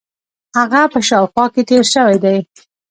هغه په شاوخوا کې تېر شوی دی.